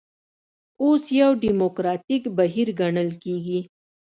اوس یو ډیموکراتیک بهیر ګڼل کېږي.